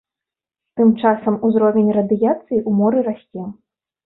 Тым часам узровень радыяцыі ў моры расце.